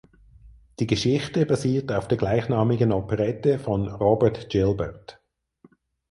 Die Geschichte basiert auf der gleichnamigen Operette von Robert Gilbert.